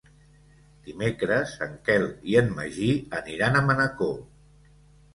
Dimecres en Quel i en Magí aniran a Manacor.